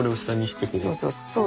そうそうそうそう。